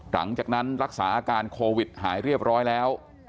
หลังจากนั้นรักษาอาการโควิดหายเรียบร้อยแล้ว